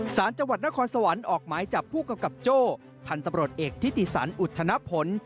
สารจังหวัดนครสวรรค์ออกหมายจับผู้กำกับโจ้พันธุ์ตำรวจเอกทิติสันอุทธนพล